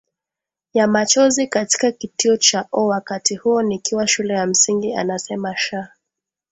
ya Machozi katika Kituo cha O wakati huo nikiwa shule ya msingi anasema Shaa